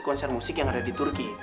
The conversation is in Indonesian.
konser musik yang ada di turki